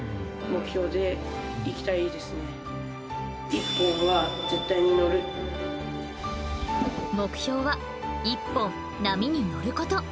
その時の目標は「１本波に乗ること」。